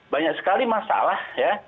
banyak sekali masalah